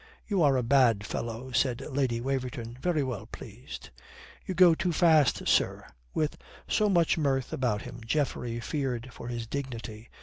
"You are a bad fellow," said Lady Waverton, very well pleased. "You go too fast, sir;" with so much mirth about him Geoffrey feared for his dignity.